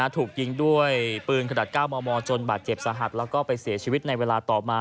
ถูกยิงด้วยปืนขนาด๙มมจนบาดเจ็บสาหัสแล้วก็ไปเสียชีวิตในเวลาต่อมา